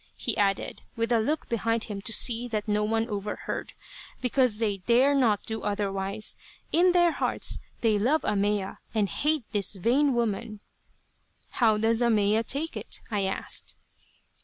He added, with a look behind him to see that no one overheard, "Because they dare not do otherwise. In their hearts they love Ahmeya, and hate this vain woman." "How does Ahmeya take it?" I asked.